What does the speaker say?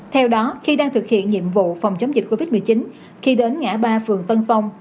theo đó khi đang thực hiện nhiệm vụ phòng chống dịch covid một mươi chín khi đến ngã ba phường tân phong